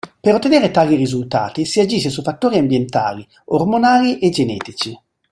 Per ottenere tali risultati si agisce su fattori ambientali, ormonali e genetici.